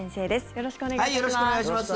よろしくお願いします。